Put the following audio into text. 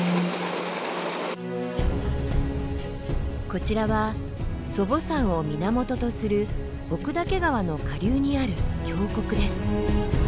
こちらは祖母山を源とする奥岳川の下流にある峡谷です。